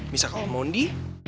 bisa kalau mondi